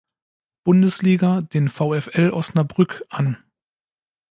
Bundesliga, den VfL Osnabrück, an.